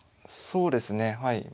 そうですねはい。